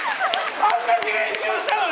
あんなに練習したのに！